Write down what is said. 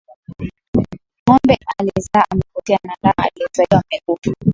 Ng'ombe aliyezaa amepotea na ndama aliyezaliwa amekufa.